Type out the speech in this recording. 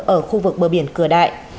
ở khu vực bờ biển cửa đại